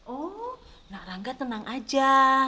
oh nara nggak tenang aja